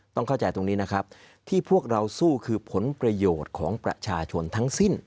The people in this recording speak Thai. ต้องเข้าใจตรงนี้นะครับที่พวกเราสู้คือผลประโยชน์ของประชาชนทั้งสิ้น